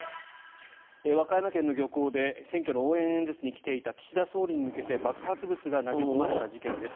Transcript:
和歌山県の漁港で選挙の応援演説に来ていた岸田総理に向けて爆発物が投げ込まれた事件です。